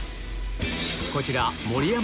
こちら盛山